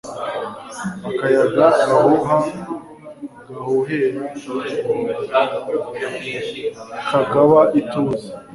akayaga gahuha gahuhera kagaba ituze